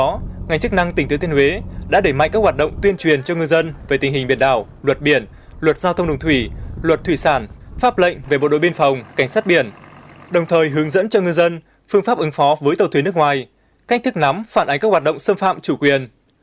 trước đó ngành chức năng tỉnh tuyên thiên huế đã đẩy mạnh các hoạt động tuyên truyền cho ngư dân về tình hình biển đảo luật biển luật giao thông đường thủy luật thủy sản pháp lệnh về bộ đội biên phòng cảnh sát biển đồng thời hướng dẫn cho ngư dân phương pháp ứng phó với tàu thuyền nước ngoài cách thức nắm phản ánh các hoạt động xâm phạm chủ quyền